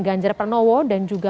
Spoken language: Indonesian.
ganjar pernowo dan juga